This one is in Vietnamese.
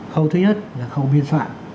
khâu thứ nhất là khâu biên soạn